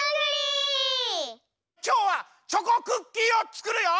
きょうはチョコクッキーをつくるよ。